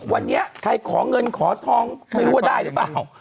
วันนี้ใครขอเงินขอทองไม่รู้ว่าได้หรือเปล่า